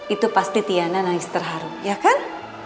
itu pasti tiana nangis terharu ya kan